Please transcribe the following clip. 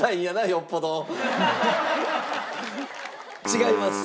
違います。